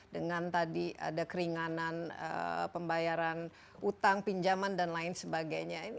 dengan tadi ada keringanan pembayaran utang pinjaman dan lain sebagainya